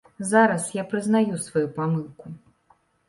Зараз я прызнаю сваю памылку.